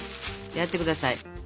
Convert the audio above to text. やってください。